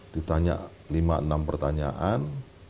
ditanya lima enam pertanyaan